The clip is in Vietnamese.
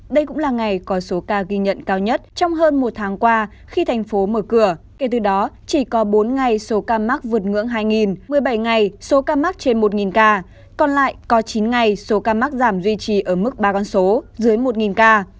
đây cũng là ngày có số ca ghi nhận cao nhất trong hơn một tháng qua khi thành phố mở cửa kể từ đó chỉ có bốn ngày số ca mắc vượt ngưỡng hai một mươi bảy ngày số ca mắc trên một ca còn lại có chín ngày số ca mắc giảm duy trì ở mức ba con số dưới một ca